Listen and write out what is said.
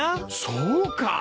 そうか！